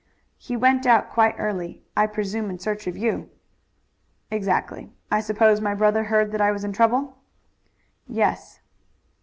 "He went out quite early, I presume in search of you." "Exactly. I suppose my brother heard that I was in trouble?" "Yes."